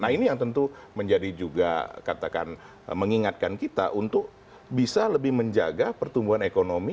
nah ini yang tentu menjadi juga katakan mengingatkan kita untuk bisa lebih menjaga pertumbuhan ekonomi